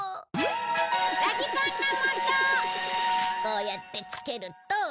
こうやってつけると。